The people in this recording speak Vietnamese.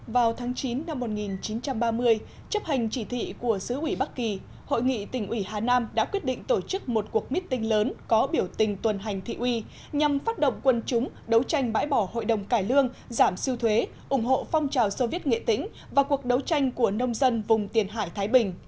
vào tháng chín năm một nghìn chín trăm ba mươi chấp hành chỉ thị của sứ ủy bắc kỳ hội nghị tỉnh ủy hà nam đã quyết định tổ chức một cuộc meeting lớn có biểu tình tuần hành thị uy nhằm phát động quân chúng đấu tranh bãi bỏ hội đồng cải lương giảm sưu thuế ủng hộ phong trào soviet nghệ tĩnh và cuộc đấu tranh của nông dân vùng tiền hải thái bình